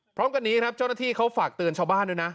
พร้อมกันนี้ครับเจ้าหน้าที่เขาฝากเตือนชาวบ้านด้วยนะ